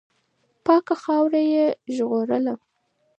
پاکه خاوره یې ژغورله.